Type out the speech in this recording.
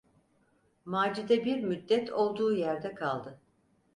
Macide bir müddet olduğu yerde kaldı.